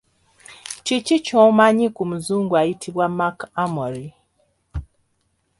Kiki ky’omanyi ku muzungu ayitibwa Mark Amory?